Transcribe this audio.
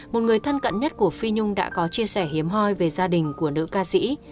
một người thân cận nhất của phi nhung đã có chia sẻ hiếm hoi về gia đình của nữ ca sĩ